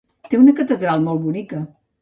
Té una catedral molt bonica.